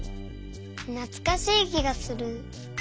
なつかしいきがする。